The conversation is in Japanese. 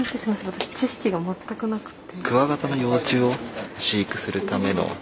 私知識が全くなくて。